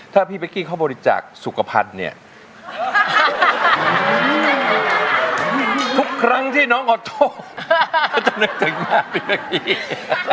ถ้าพี่เป๊กกี้เขาบริจาคสุขภัณฑ์เนี่ยทุกครั้งที่น้องขอโทษเขาจะนึกถึงมากพี่เป๊กกี้